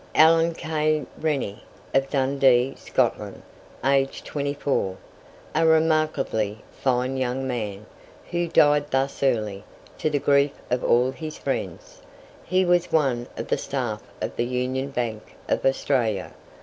"Allan K. Renny, of Dundee, Scotland, aged 24." A remarkably fine young man, who died thus early, to the grief of all his friends. He was one of the staff of the Union Bank of Australia.